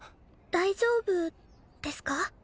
大丈夫ですか？